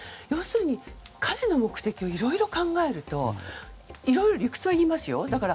要するに、彼の目的をいろいろ考えると理屈はいろいろ言いますよ。